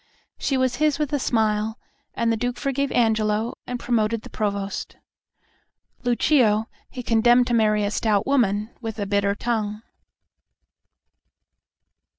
She was his with a smile, and the Duke forgave Angelo, and promoted the Provost. Lucio he condemned to marry a stout woman with a bitter tongue.